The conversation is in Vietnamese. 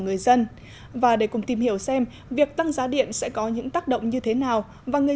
người dân và để cùng tìm hiểu xem việc tăng giá điện sẽ có những tác động như thế nào và người